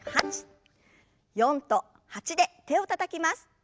４と８で手をたたきます。